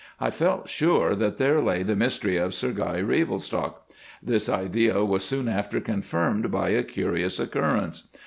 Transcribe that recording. I felt sure that there lay the mystery of Sir Guy Ravelstocke. This idea was soon after confirmed by a curious occurrence.